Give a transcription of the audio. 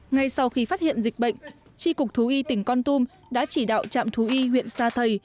ngay sau khi phát hiện dịch bệnh tri cục thú y tỉnh con tum đã chỉ đạo trạm thú y huyện sa thầy